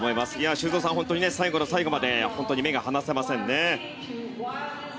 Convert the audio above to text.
修造さん、本当に最後の最後まで目が離せませんね。